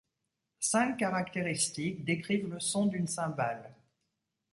Cinq caractéristiques décrivent le son d'une cymbale.